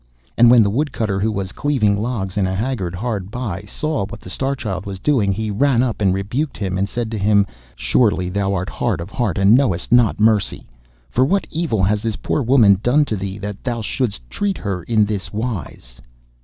And when the Woodcutter, who was cleaving logs in a haggard hard by, saw what the Star Child was doing, he ran up and rebuked him, and said to him: 'Surely thou art hard of heart and knowest not mercy, for what evil has this poor woman done to thee that thou shouldst treat her in this wise?